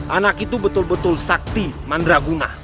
anak itu betul betul sakti mandraguna